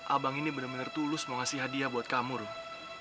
abang ini benar benar tulus mau ngasih hadiah buat kamu loh